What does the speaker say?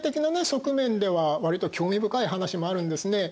側面ではわりと興味深い話もあるんですね。